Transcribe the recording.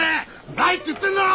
ないって言ってんだろ！